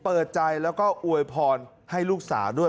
เปิดใจแล้วก็อวยพรให้ลูกสาวด้วย